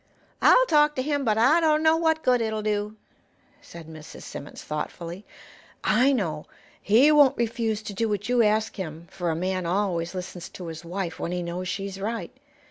"I'll talk to him, but I dunno what good it'll do," said Mrs. Simmons, thoughtfully. "I know. He won't refuse to do what you ask him, for a man always listens to his wife when he knows she's right.